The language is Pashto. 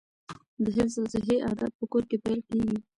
د حفظ الصحې عادات په کور کې پیل کیږي.